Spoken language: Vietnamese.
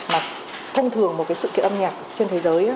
mà thông thường một cái sự kiện âm nhạc trên thế giới